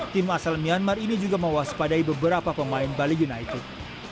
tim asal myanmar ini juga mewaspadai beberapa pemain bali united